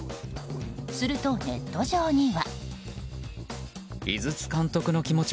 すると、ネット上には。